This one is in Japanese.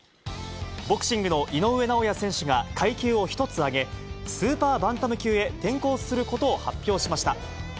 ボクシングの井上尚弥選手が階級を１つ上げ、スーパーバンタム級へ転向することを発表しました。